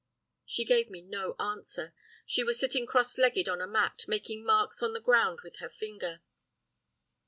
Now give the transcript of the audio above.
"She gave me no answer, she was sitting cross legged on a mat, making marks on the ground with her finger.